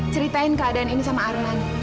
ceritain keadaan ini sama arman